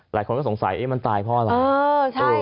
หลายคนก็สงสัยมันตายเพราะอะไร